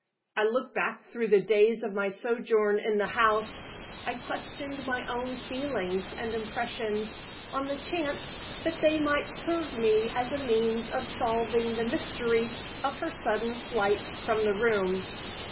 I looked back through the days of my sojourn in the house; I questioned my own feelings and impressions, on the chance that they might serve me as a means of solving the mystery of her sudden flight from the room.